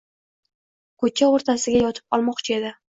Ko‘cha o‘rtasiga yotib olmoqchi edi